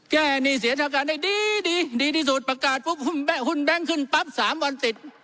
หนี้เสียทางการได้ดีดีที่สุดประกาศปุ๊บหุ้นแบงค์ขึ้นปั๊บ๓วันติด